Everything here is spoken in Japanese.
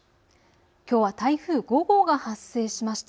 きょうは台風５号が発生しました。